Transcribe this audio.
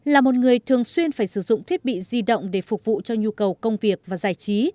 là một người thường xuyên phải sử dụng thiết bị di động để phục vụ cho nhu cầu công việc và giải trí